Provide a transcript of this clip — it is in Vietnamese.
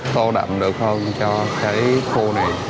tho đậm được hơn cho cái khu này